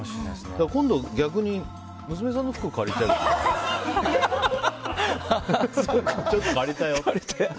今度、逆に娘さんの服を借りちゃえば？